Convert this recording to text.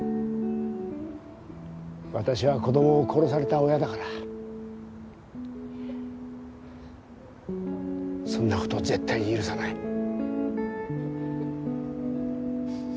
私は子供を殺された親だからそんな事絶対に許さない。